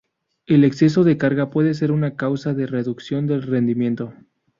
El exceso de carga puede ser una causa de reducción del rendimiento.